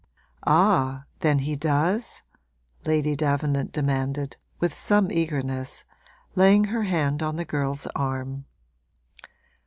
'Ah, then he does?' Lady Davenant demanded, with some eagerness, laying her hand on the girl's arm.